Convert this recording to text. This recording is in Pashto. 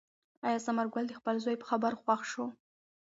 آیا ثمر ګل د خپل زوی په خبرو خوښ شو؟